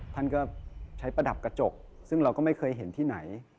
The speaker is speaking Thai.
ท่านก็ใช้ประดับกระจกซึ่งเราก็ไม่เคยเห็นที่ไหน